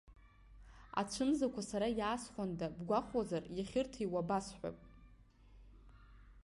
Ацәымзақәа сара иаасхәанда бгәахәуазар, иахьырҭиуа басҳәап.